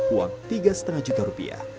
uang tiga lima juta rupiah